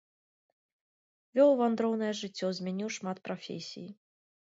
Вёў вандроўнае жыццё, змяніў шмат прафесій.